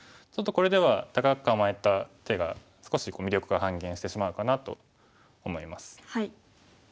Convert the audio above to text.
ちょっとこれでは高く構えた手が少し魅力が半減してしまうかなと思います。